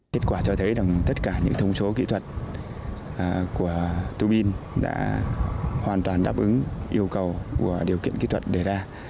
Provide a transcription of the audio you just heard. kết quả cho thấy rằng tất cả những thông số kỹ thuật của tu bin đã hoàn toàn đáp ứng yêu cầu của điều kiện kỹ thuật đề ra